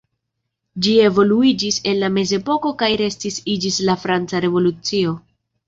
Ĝi evoluiĝis en la mezepoko kaj restis ĝis la Franca revolucio.